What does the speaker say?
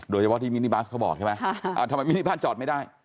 โดยเฉพาะที่มินิบัสเขาบอกใช่ไหมทำไมมินิพานจอดไม่ได้